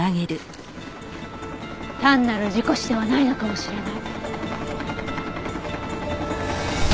単なる事故死ではないのかもしれない。